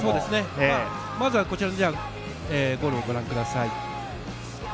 まずこちらのゴールをご覧ください。